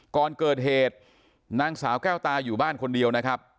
ก่อนเกิดเหตุนางสาวแก้วตาอยู่บ้านคนเดียวนะครับ